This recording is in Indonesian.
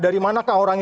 bagaimana kan orang itu